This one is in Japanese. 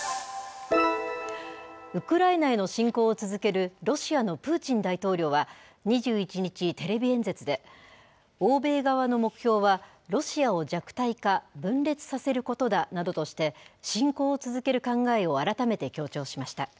ウクライナへの侵攻を続けるロシアのプーチン大統領は、２１日、テレビ演説で、欧米側の目標は、ロシアを弱体化、分裂させることだなどとして、侵攻を続ける考えを改めて強調しました。